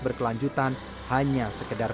berkelanjutan hanya sekadar